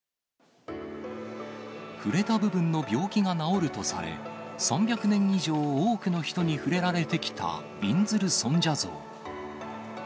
触れた部分の病気が治るとされ、３００年以上、多くの人に触れられてきたびんずる尊者像。